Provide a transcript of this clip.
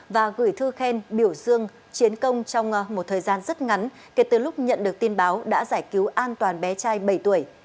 và gửi thư khen biểu dương chiến công trong một thời gian rất ngắn kể từ lúc nhận được tin báo đã giải cứu an toàn bé trai bảy tuổi